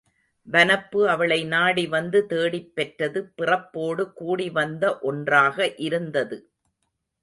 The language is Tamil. வனப்பு அவளை நாடி வந்து தேடிப் பெற்றது பிறப் போடு கூடி வந்த ஒன்றாக இருந்தது.